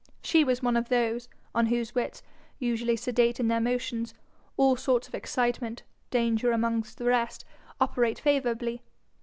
She was one of those on whose wits, usually sedate in their motions, all sorts of excitement, danger amongst the rest, operate favourably.